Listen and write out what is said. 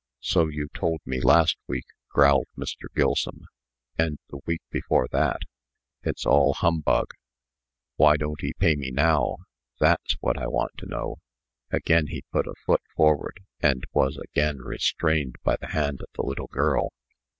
"So you told me last week," growled Mr. Gilsum, "and the week before that. It's all humbug. Why don't he pay me now? that's what I want to know." Again he put a foot forward, and was again restrained by the hand of the little girl.